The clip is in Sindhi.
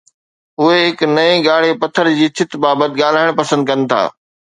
اهي هڪ نئين ڳاڙهي پٿر جي ڇت بابت ڳالهائڻ پسند ڪن ٿا